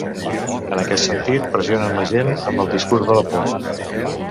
En aquest sentit, pressionen la gent amb el discurs de la por.